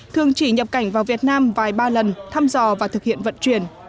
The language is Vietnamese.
thường chỉ nhập cảnh vào việt nam vài ba lần thăm dò và thực hiện vận chuyển